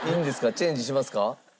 チェンジしますか？